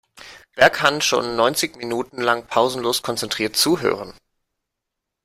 Wer kann schon neunzig Minuten lang pausenlos konzentriert zuhören?